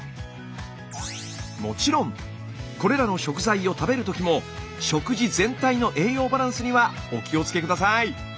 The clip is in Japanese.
もちろんこれらの食材を食べる時も食事全体の栄養バランスにはお気をつけ下さい。